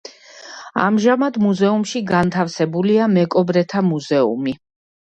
ამჟამად მუზეუმში განთავსებულია მეკობრეთა მუზეუმი.